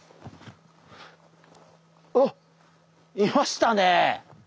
あっいましたね。